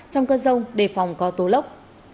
trong cơn rông đề phòng có tố lốc